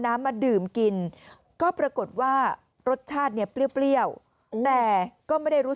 มาดื่มกินก็ปรากฏว่ารสชาติเนี่ยเปรี้ยวแต่ก็ไม่ได้รู้